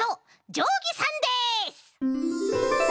じょうぎさんです！